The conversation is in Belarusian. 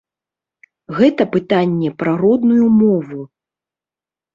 Гэта пытанне пра родную мову.